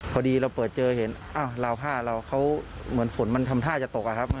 พอดีเราเปิดเจอเห็นอ้าวราวผ้าเราเขาเหมือนฝนมันทำท่าจะตกอะครับ